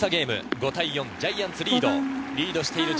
５対４、ジャイアンツ１点リード。